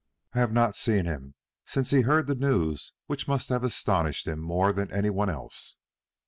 "I have not seen him since he heard the news which must have astonished him more than any one else."